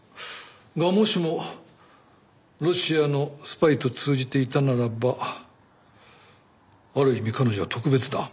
がもしもロシアのスパイと通じていたならばある意味彼女は特別だ。